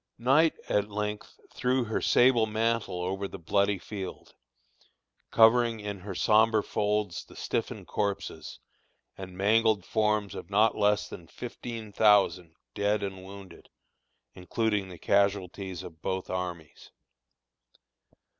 Night at length threw her sable mantle over the bloody field, covering in her sombre folds the stiffened corpses and mangled forms of not less than fifteen thousand dead and wounded, including the casualties of both armies.